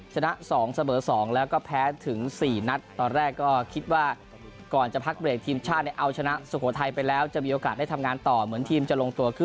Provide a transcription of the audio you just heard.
ชนะ๒เสมอ๒แล้วก็แพ้ถึง๔นัทตอนแรกก็คิดว่าก่อนจะพักเบลกทีมชาติในเอาชนะสุโขทัยไปแล้ว